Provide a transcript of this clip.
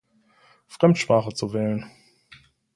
Fremdsprache zu wählen.